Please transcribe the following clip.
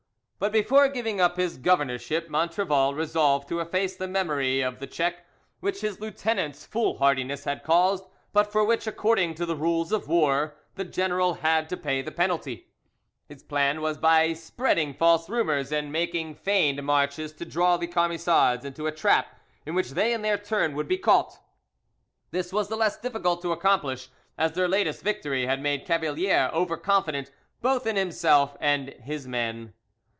But before giving up his governorship Montrevel resolved to efface the memory of the check which his lieutenant's foolhardiness had caused, but for which, according to the rules of war, the general had to pay the penalty. His plan was by spreading false rumours and making feigned marches to draw the Camisards into a trap in which they, in their turn, would be caught. This was the less difficult to accomplish as their latest great victory had made Cavalier over confident both in himself and his men.